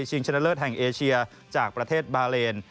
ชนะเลิศแห่งเอเชียจากประเทศบาเลน